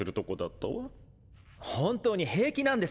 本当に平気なんです。